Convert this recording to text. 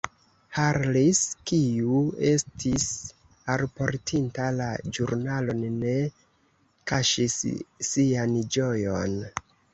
Harris, kiu estis alportinta la ĵurnalon, ne kaŝis sian ĝojon.